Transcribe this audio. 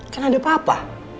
kan ada papa